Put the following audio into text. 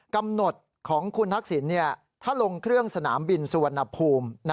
กำหนดของคุณทักษิณถ้าลงเครื่องสนามบินสุวรรณภูมิ